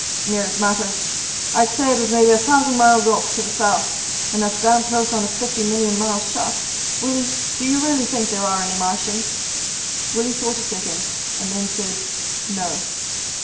"Near as matters. I'd say it was maybe a thousand miles off, to the south. And that's damn close on a fifty million mile shot. Willie, do you really think there are any Martians?" Willie thought a second and then said, "No."